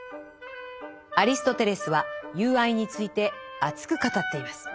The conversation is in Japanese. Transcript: アリストテレスは「友愛」について熱く語っています。